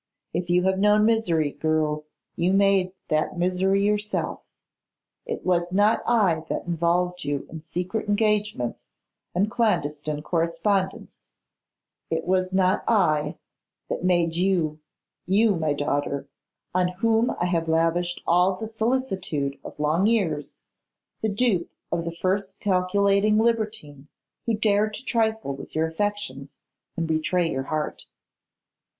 If you have known misery, girl, you made that misery yourself. It was not I that involved you in secret engagements and clandestine correspondence; it was not I that made you, you, my daughter, on whom I have lavished all the solicitude of long years, the dupe of the first calculating libertine who dared to trifle with your affections, and betray your heart.